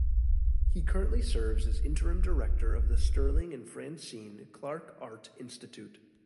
He currently serves as Interim Director of the Sterling and Francine Clark Art Institute.